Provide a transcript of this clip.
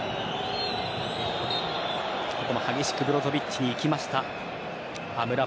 ここも激しくブロゾヴィッチにいきました